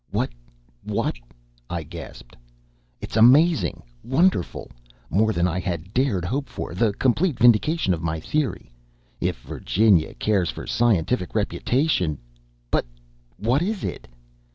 "What what " I gasped. "It's amazing! Wonderful! More than I had dared hope for! The complete vindication of my theory! If Virginia cares for scientific reputation " "But what is it?"